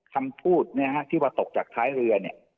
คำพูดเนี่ยฮะที่ว่าตกจากท้ายเรือเนี่ย